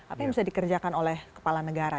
apa yang bisa dikerjakan oleh kepala negara